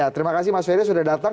terima kasih mas ferry sudah datang